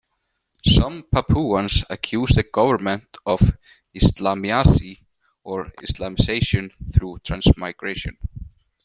Some Papuans accuse the government of "Islamisasi", or Islamisation through transmigration.